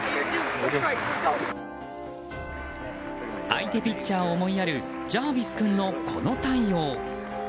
相手ピッチャーを思いやるジャービス君のこの対応。